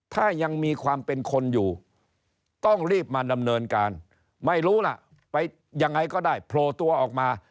ถ้ายังมีความเป็นคนอยู่ต้องรีบมาดำเนินการไม่รู้ล่ะไปยังไงก็ได้โผล่ตัวออกมา